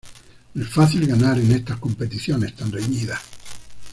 No es fácil ganar en estas competiciones tan reñidas.